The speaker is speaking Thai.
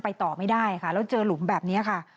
ต่อไม่ได้ค่ะแล้วเจอหลุมแบบนี้ค่ะ